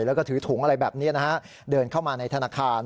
แล้วก็ถือถุงอะไรแบบนี้นะฮะเดินเข้ามาในธนาคาร